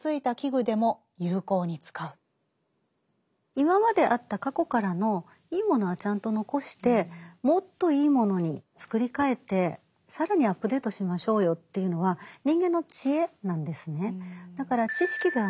今まであった過去からのいいものはちゃんと残してもっといいものに作り替えて更にアップデートしましょうよというのは人間の知恵なんですね。